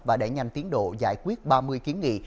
và đẩy nhanh tiến độ giải quyết ba mươi kiến nghị